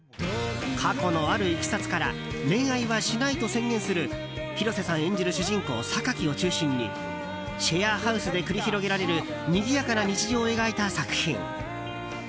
過去の、あるいきさつから恋愛はしないと宣言する広瀬さん演じる主人公・榊を中心にシェアハウスで繰り広げられるにぎやかな日常を描いた作品。